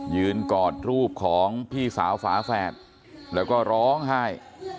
กอดรูปของพี่สาวฝาแฝดแล้วก็ร้องไห้